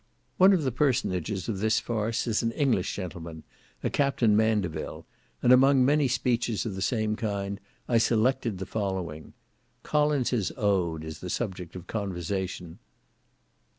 One of the personages of this farce is an English gentleman, a Captain Mandaville, and among many speeches of the same kind, I selected the following. Collins's Ode is the subject of conversation.